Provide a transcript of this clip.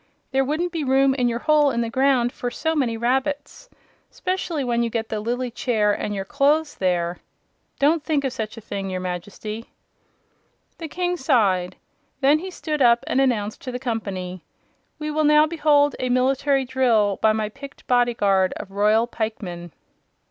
"There wouldn't be room in your hole in the ground for so many rabbits, 'spec'ly when you get the lily chair and your clothes there. Don't think of such a thing, your Majesty." The King sighed. Then he stood up and announced to the company: "We will now hold a military drill by my picked Bodyguard of Royal Pikemen."